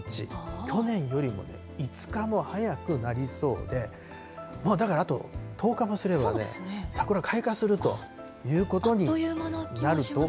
去年よりも５日も早くなりそうで、だからあと１０日もすればね、桜、開花するということになると。